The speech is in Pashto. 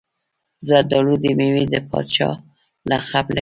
زردالو د میوې د پاچا لقب لري.